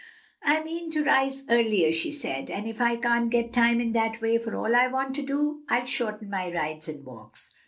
"I mean to rise earlier," she said, "and if I can't get time in that way for all I want to do, I'll shorten my rides and walks."